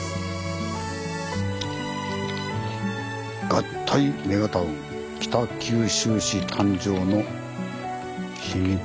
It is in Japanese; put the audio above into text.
「合体メガタウン北九州市誕生の秘密とは？」と。